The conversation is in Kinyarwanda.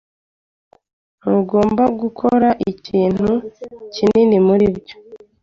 Ntugomba gukora iktu kinini muri byo.